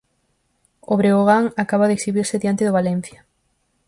O Breogán acaba de exhibirse diante do Valencia.